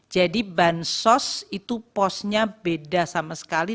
jadi bansos itu posnya beda sama sekali